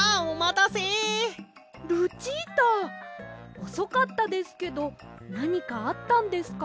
おそかったですけどなにかあったんですか？